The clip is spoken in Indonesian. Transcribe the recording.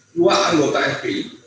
dua anggota fpi